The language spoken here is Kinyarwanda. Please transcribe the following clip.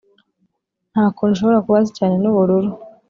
nta kuntu ushobora kuba hasi cyane n'ubururu.